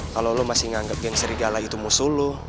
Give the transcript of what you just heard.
kalo lo masih nganggep geng serialah itu musuh lo